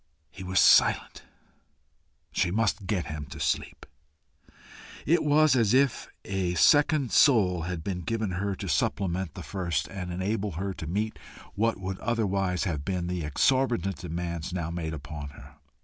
He was silent. She must get him to sleep. It was as if a second soul had been given her to supplement the first, and enable her to meet what would otherwise have been the exorbitant demands now made upon her.